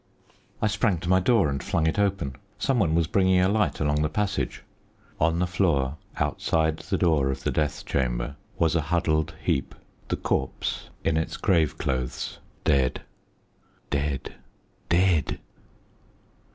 I sprang to my door and flung it open. Some one was bringing a light along the passage. On the floor, outside the door of the death chamber, was a huddled heap the corpse, in its grave clothes. Dead, dead, dead.